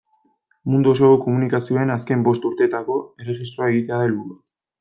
Mundu osoko komunikazioen azken bost urteetako erregistroa egitea da helburua.